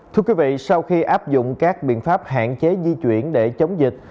thưa quý vị sau khi áp dụng các biện pháp hạn chế di chuyển để chống dịch